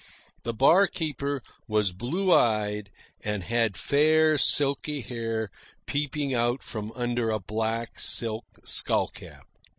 The barkeeper was blue eyed, and had fair, silky hair peeping out from under a black silk skull cap.